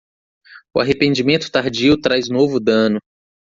O arrependimento tardio traz novo dano.